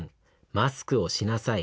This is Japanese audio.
『マスクをしなさい』